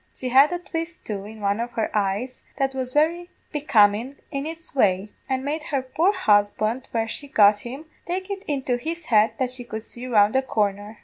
She had a twist, too, in one of her eyes that was very becomin' in its way, and made her poor husband, when she got him, take it into his head that she could see round a corner.